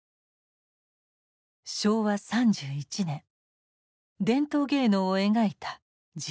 昭和３１年伝統芸能を描いた「地唄」。